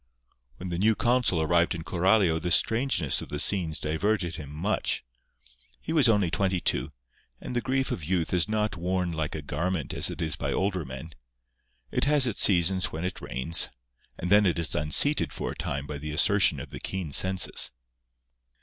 When the new consul arrived in Coralio the strangeness of the scenes diverted him much. He was only twenty two; and the grief of youth is not worn like a garment as it is by older men. It has its seasons when it reigns; and then it is unseated for a time by the assertion of the keen senses.